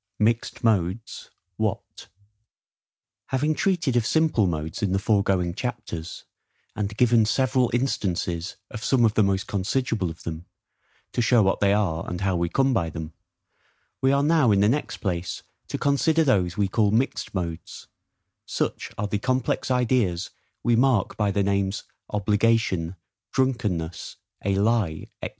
Mixed Modes, what. Having treated of SIMPLE MODES in the foregoing chapters, and given several instances of some of the most considerable of them, to show what they are, and how we come by them; we are now in the next place to consider those we call MIXED MODES; such are the complex ideas we mark by the names OBLIGATION, DRUNKENNESS, a LIE, &c.